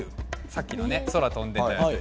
さっきのね空飛んでたやつ。